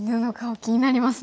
気になりますね。